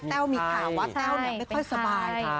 แต้อมหาว่าแต้วไม่ค่อยสบาย